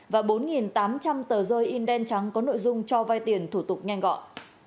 và bốn tám trăm linh tờ rơi in đen trắng có nội dung cho vai tiền thủ tục nhanh gọn